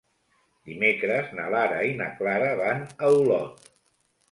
Dimecres na Lara i na Clara van a Olot.